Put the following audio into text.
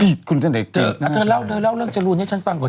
คุณเสน็กเจอนะเธอเล่าเธอเล่าเรื่องจรูนให้ฉันฟังก่อน